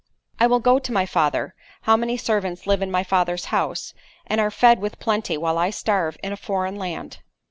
"'_I will go to my father; how many servants live in my father's house, and are fed with plenty, while I starve in a foreign land?